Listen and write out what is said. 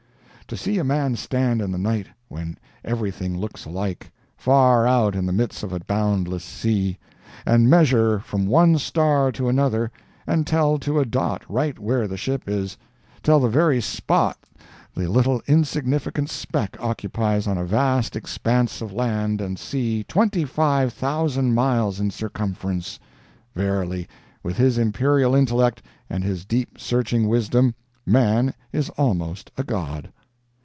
To see a man stand in the night, when everything looks alike—far out in the midst of a boundless sea—and measure from one star to another and tell to a dot right where the ship is—tell the very spot the little insignificant speck occupies on a vast expanse of land and sea twenty five thousand miles in circumference! Verily, with his imperial intellect and his deep searching wisdom, man is almost a God!